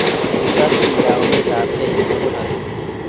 Kisas biik kaumet ab gei nebo polatet